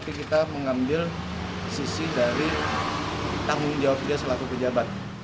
tapi kita mengambil sisi dari tanggung jawabnya selaku pejabat